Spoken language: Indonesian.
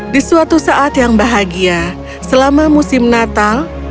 di suatu saat yang bahagia selama musim natal